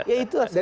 ya itu asal